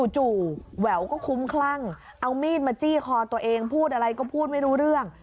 จู่แหววก็คุ้มคลั่งเอามีดมาจี้คอตัวเองพูดอะไรก็พูดไม่รู้เรื่อง